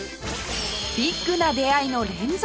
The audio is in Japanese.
ビッグな出会いの連続！